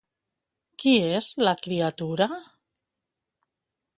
Qui és la criatura?